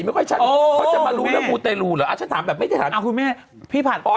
ไม่ฉันมารู้แล้วมุเตรุหรือชนะมาไม่ได้ทางอ้าวคุณแม่พี่ปัท